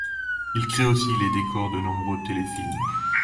Il crée aussi les décors de nombreux téléfilms.